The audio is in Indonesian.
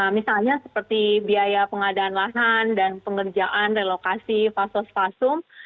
misalnya seperti biaya pengadaan lahan dan pengerjaan relokasi fasos fasum